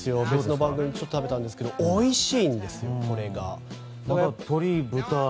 別の番組でちょっと食べたんですけどおいしいんですよ、これが。